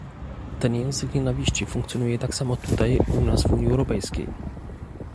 Ten język nienawiści funkcjonuje tak samo tutaj u nas w Unii Europejskiej